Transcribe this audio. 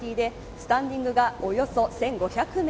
スタンディングはおよそ１５００名